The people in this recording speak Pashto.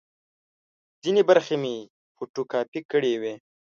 ځینې برخې مې فوټو کاپي کړې وې.